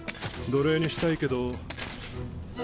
奴隷にしたいけど。